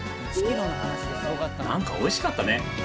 なんかおいしかったね。